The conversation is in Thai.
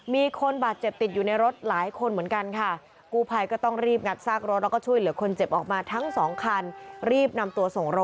มีคนบาดเจ็บติดอยู่ในรถหลายคนเหมือนกันค่ะกู้ภัยก็ต้องรีบงัดซากรถ